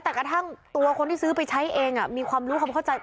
แต่กระทั่งตัวคนที่ซื้อไปใช้เองมีความรู้ความเข้าใจ